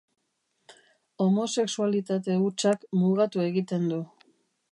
Homosexualitate hutsak mugatu egiten du.